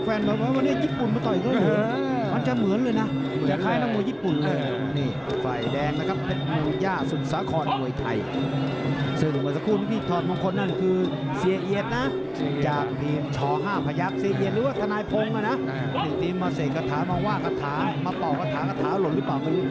เพชรเมืองย่าสุสาขนมวยไทย